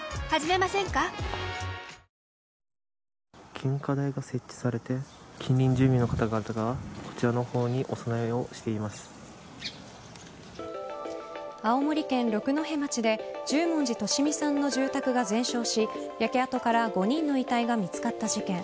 献花台が設置されて近隣住民の方々が、こちらの方に青森県六戸町で十文字利美さんの住宅が全焼し焼け跡から５人の遺体が見つかった事件。